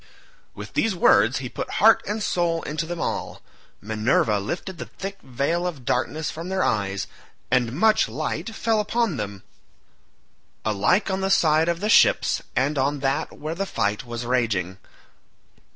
With these words he put heart and soul into them all. Minerva lifted the thick veil of darkness from their eyes, and much light fell upon them, alike on the side of the ships and on that where the fight was raging.